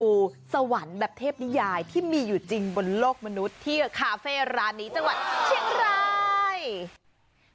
สวรรค์แบบเทพนิยายที่มีอยู่จริงบนโลกมนุษย์ที่คาเฟ่ร้านนี้จังหวัดเชียงราย